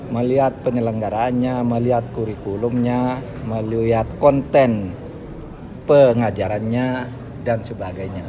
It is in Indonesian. melihat penyelenggaranya melihat kurikulumnya melihat konten pengajarannya dan sebagainya